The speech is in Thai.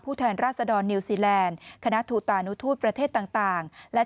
แทนราชดรนิวซีแลนด์คณะทูตานุทูตประเทศต่างและ